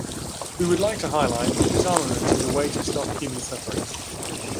We would like to highlight that disarmament is a way to stop human suffering.